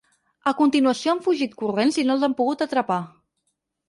A continuació han fugit corrents i no els han pogut atrapar.